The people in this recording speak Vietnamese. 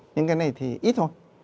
những cái này thì ít thôi